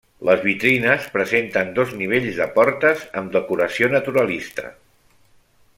Les vitrines presenten dos nivells de portes amb decoració naturalista.